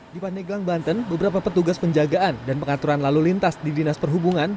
di pandeglang banten beberapa petugas penjagaan dan pengaturan lalu lintas di dinas perhubungan